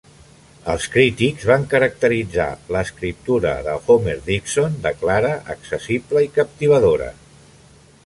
Els crítics van caracteritzar l'escriptura de Homer-Dixon de clara, accessible i captivadora.